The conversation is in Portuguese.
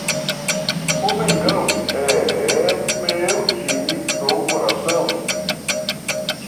O mengão é meu time do coração